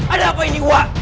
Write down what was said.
ada apa ini wak